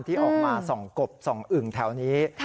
ที่ออกมา๒กบ๒อึ่งแถวนี้